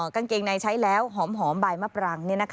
กางเกงในใช้แล้วหอมใบมะปรัง